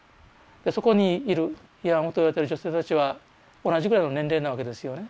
そこにいる慰安婦といわれてる女性たちは同じぐらいの年齢なわけですよね。